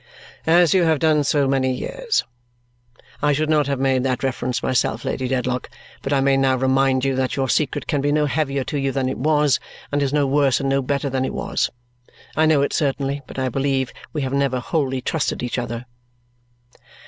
"As you have done so many years. I should not have made that reference myself, Lady Dedlock, but I may now remind you that your secret can be no heavier to you than it was, and is no worse and no better than it was. I know it certainly, but I believe we have never wholly trusted each other."